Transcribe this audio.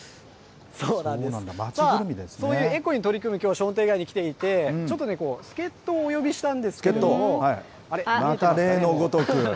そういうエコに取り組むきょう、商店街に来ていて、ちょっとね、助っ人をお呼びしたんですけど、また、例のごとく。